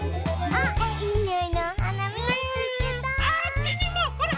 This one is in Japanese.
ああっちにもほら！